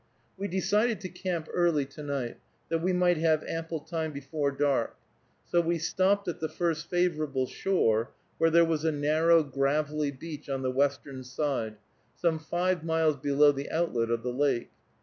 We decided to camp early to night, that we might have ample time before dark; so we stopped at the first favorable shore, where there was a narrow gravelly beach on the western side, some five miles below the outlet of the lake.